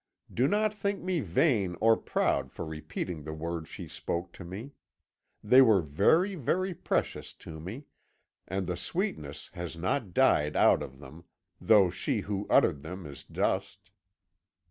"Do not think me vain or proud for repeating the words she spoke to me. They were very, very precious to me, and the sweetness has not died out of them, though she who uttered them is dust.